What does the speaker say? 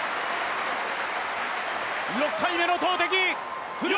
６回目の投てき！